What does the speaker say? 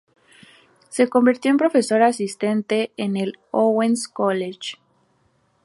Se convirtió en profesor asistente en el Owens College.